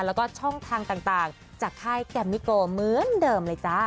แล้วก็ช่องทางต่างจากค่ายแกมมิโกเหมือนเดิมเลยจ้า